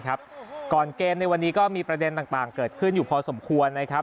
ก่อนเกมในวันนี้ก็มีประเด็นต่างเกิดขึ้นอยู่พอสมควรนะครับ